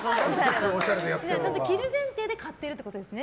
着る前提で買ってるってことですね。